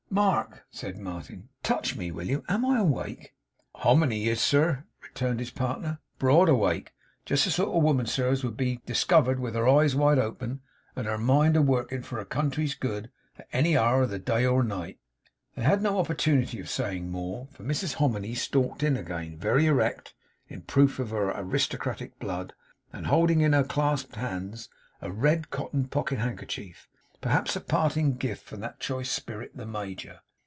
'Mark!' said Martin. 'Touch me, will you. Am I awake?' 'Hominy is, sir,' returned his partner 'Broad awake! Just the sort of woman, sir, as would be discovered with her eyes wide open, and her mind a working for her country's good, at any hour of the day or night.' They had no opportunity of saying more, for Mrs Hominy stalked in again very erect, in proof of her aristocratic blood; and holding in her clasped hands a red cotton pocket handkerchief, perhaps a parting gift from that choice spirit, the Major.